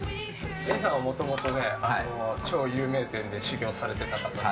もともと超有名店で修業されていた方で。